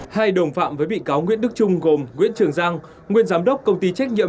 hai đồng phạm với bị cáo nguyễn đức trung gồm nguyễn trường giang nguyên giám đốc công ty trách nhiệm